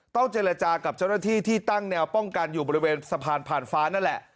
เจรจากับเจ้าหน้าที่ที่ตั้งแนวป้องกันอยู่บริเวณสะพานผ่านฟ้านั่นแหละ